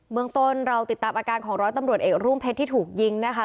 เมืองต้นเราติดตามอาการของร้อยตำรวจเอกรุ่งเพชรที่ถูกยิงนะคะ